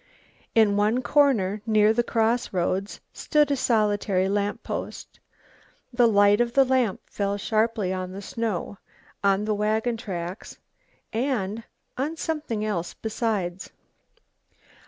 In one corner near the cross roads stood a solitary lamp post. The light of the lamp fell sharply on the snow, on the wagon tracks, and on something else besides.